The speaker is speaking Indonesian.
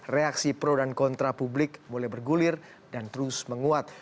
reaksi pro dan kontra publik mulai bergulir dan terus menguat